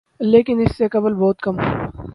لیکن اس سے قبل بہت کم